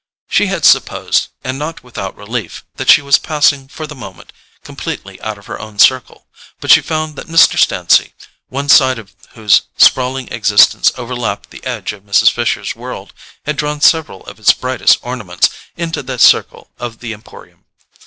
She had supposed, and not without relief, that she was passing, for the moment, completely out of her own circle; but she found that Mr. Stancy, one side of whose sprawling existence overlapped the edge of Mrs. Fisher's world, had drawn several of its brightest ornaments into the circle of the Emporium.